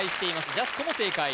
ジャスコも正解